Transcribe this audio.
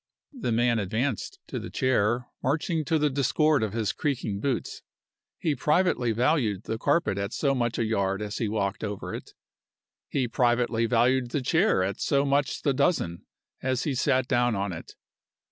The man advanced to the chair, marching to the discord of his creaking boots. He privately valued the carpet at so much a yard as he walked over it. He privately valued the chair at so much the dozen as he sat down on it.